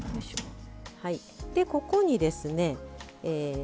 ここにですね